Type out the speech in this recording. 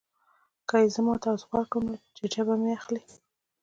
که یې زه مات او غوځار کړم نو ججه مه اخلئ.